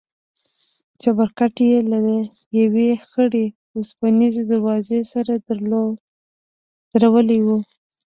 چپرکټ يې له يوې خړې وسپنيزې دروازې سره درولى و.